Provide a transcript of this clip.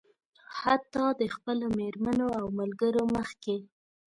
حتيٰ د خپلو مېرمنو او ملګرو مخکې.